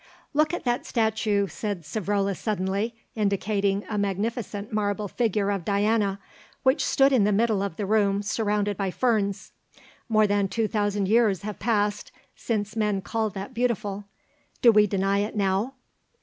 "Look at that statue," said Savrola suddenly, indicating a magnificent marble figure of Diana which stood in the middle of the room surrounded by ferns. "More than two thousand years have passed since men called that beautiful. Do we deny it now?"